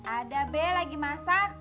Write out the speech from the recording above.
ada be lagi masak